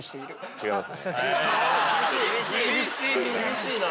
違います